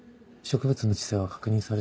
植物の知性は確認されています。